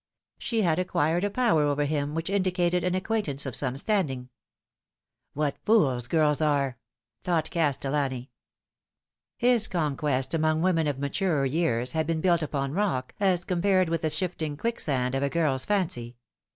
She had acquired a power over him which indicated an acquaintance of some standing. " What fools girls are !" thought Castellani. His conquests among women of maturer years had been built npon rock as compared with the shifting quicksand of a girl's fancy.